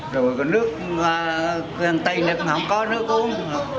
rồi có nước cơn tây nước không có nước uống